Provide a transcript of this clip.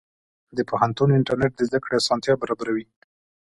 د پوهنتون انټرنېټ د زده کړې اسانتیا برابروي.